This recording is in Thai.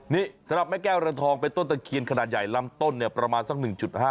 นี่สำหรับแม่แก้วเรือนทองเป็นต้นตะเคียนขนาดใหญ่ลำต้นเนี่ยประมาณสัก๑๕